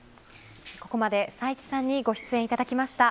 ここまで最知さんにご出演いただきました。